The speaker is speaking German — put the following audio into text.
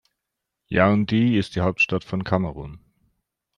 Yaoundé ist die Hauptstadt von Kamerun.